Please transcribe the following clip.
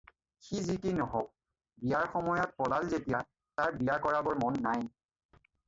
সি যি কি নহওক, বিয়াৰ সময়ত পলাল যেতিয়া, তাৰ বিয়া কৰাবৰ মন নাই।